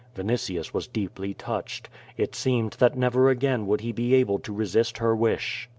Vinitius was deeply touched. It seemed that never again would he be able to resist her wish.